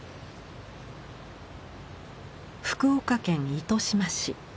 福岡県糸島市。